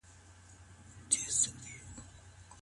کورنۍ کله حق لري چي مېرمن له کاره وباسي؟